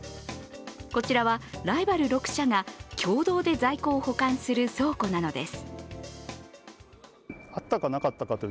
こちらはライバル６社が共同で在庫を保管する倉庫なのです。